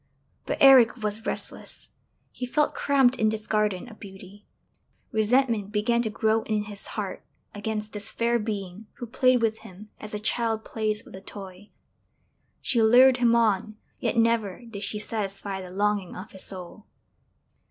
But Eric was restless, he felt cramped in this garden of beauty; resentment began to grow in his heart against this fair being who played with him as a child plays with a toy. She lured him on, yet never did she satisfy the longing of his soul!